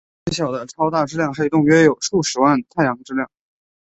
最小的超大质量黑洞约有数十万太阳质量。